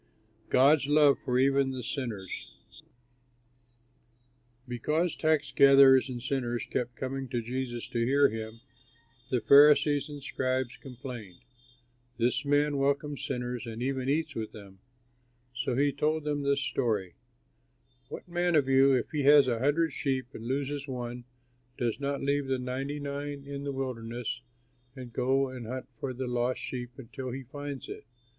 '" GOD'S LOVE EVEN FOR SINNERS Because tax gathers and sinners kept coming to Jesus to hear him, the Pharisees and scribes complained, "This man welcomes sinners and even eats with them!" So he told them this story: "What man of you, if he has a hundred sheep and loses one, does not leave the ninety nine in the wilderness and go and hunt for the lost sheep until he finds it?